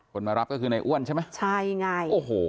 มารับก็คือในอ้วนใช่ไหมใช่ไงโอ้โห